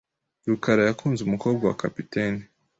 rukara yakunze umukobwa wa capitaine.